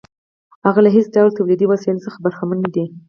هغه له هېڅ ډول تولیدي وسیلې څخه برخمن نه دی